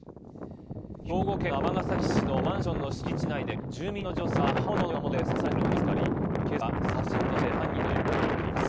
兵庫県尼崎市のマンションの敷地内で住民の女性が刃物のようなもので刺されているのが見つかり、警察では殺人事件として犯人の行方を追っています。